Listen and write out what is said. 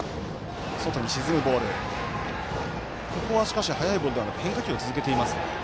ここは速いボールではなく変化球を続けていますね。